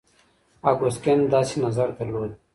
اګوست کنت داسې نظر درلود.